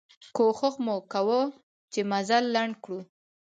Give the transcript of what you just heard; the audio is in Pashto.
کوښښ مو کوه چې مزل لنډ کړو.